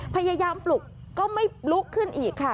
พยายามปลุกก็ไม่ลุกขึ้นอีกค่ะ